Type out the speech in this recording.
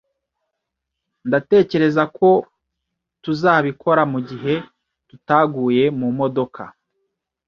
Ndatekereza ko tuzabikora mugihe tutaguye mumodoka.